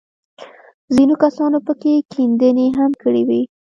ځينو کسانو پکښې کيندنې هم کړې وې.